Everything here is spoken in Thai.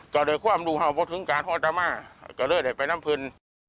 ก็เลยความรู้ห้าพวกถึงการฮอตรมะจะเลยก็ไปน้ำพื้น